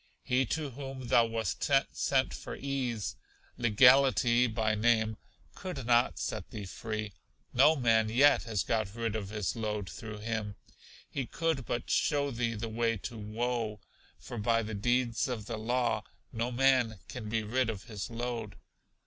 He to whom thou wast sent for ease, Legality by name, could not set thee free; no man yet has got rid of his load through him; he could but show thee the way to woe, for by the deeds of the law no man can be rid of his load.